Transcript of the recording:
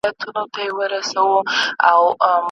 خدایه کله به یې ږغ راباندي وسي